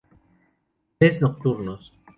Tres nocturnos".